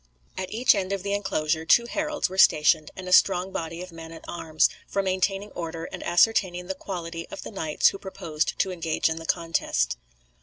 At each end of the enclosure two heralds were stationed, and a strong body of men at arms, for maintaining order and ascertaining the quality of the knights who proposed to engage in the contest.